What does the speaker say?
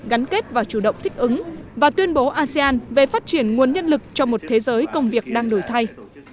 gắn kết và chủ động thích ứng và tuyên bố asean về phát triển nguồn nhân lực cho một thế giới công việc đang đổi thay